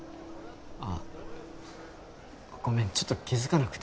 あごめんちょっと気づかなくて